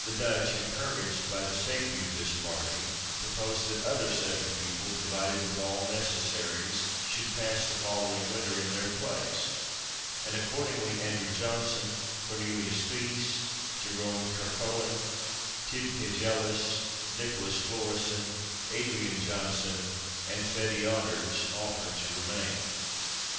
The Dutch, encouraged by the safety of this party, proposed that other seven people, provided with all necessaries, should pass the following winter in their place; and, accordingly, Andrew Johnson, Cornelius Thysse, Jerome Carcoen, Tiebke Jellis, Nicholas Florison, Adrian Johnson, and Fettje Otters, offered to remain.